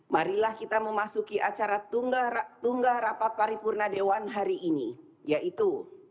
marilah kita memasuki acara tunggah rapat paripurna dewan hari ini yaitu